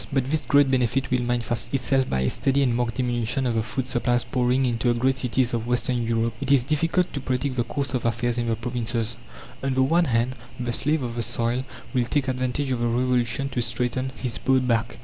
But this great benefit will manifest itself by a steady and marked diminution of the food supplies pouring into the great cities of western Europe. It is difficult to predict the course of affairs in the provinces. On the one hand the slave of the soil will take advantage of the Revolution to straighten his bowed back.